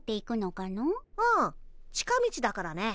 うん近道だからね。